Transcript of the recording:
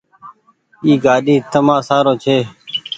اي گآڏي تمآ سآرو ڇي۔